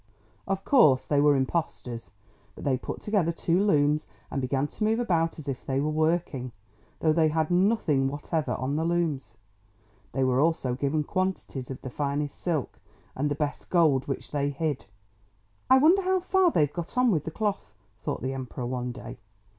Of course they were impostors, but they put together two looms, and began to move about as if they were working, though they had nothing whatever on the looms. They were also given quantities of the finest silk and the best gold, which they hid. "I wonder how far they have got on with the cloth," thought the Emperor one day.